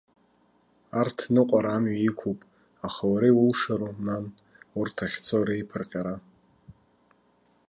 Арҭ ныҟәара амҩа иқәуп, аха уара иулшару, нан, урҭ ахьцо реиԥырҟьара?